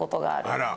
あら！